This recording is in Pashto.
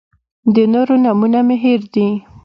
د نورو نومونه مې هېر دي.